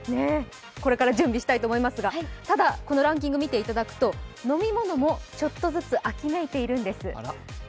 これから準備したいと思いますがこのランキング見ていただくと飲み物もちょっとずつ秋めいているんです。